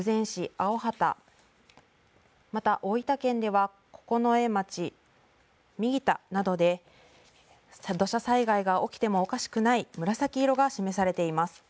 あおはたまた、大分県では九重町右田などで土砂災害が起きてもおかしくない紫色が示されています。